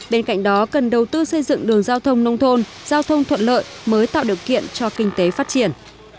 bên cạnh đó cần đầu tư xây dựng đường giao thông nông thôn giao thông thuận lợi mới tạo được kiện cho kinh tế phát triển